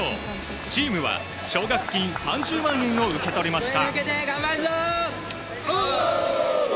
チームは奨学金３０万円を受け取りました。